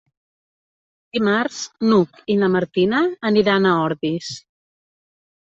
Dimarts n'Hug i na Martina aniran a Ordis.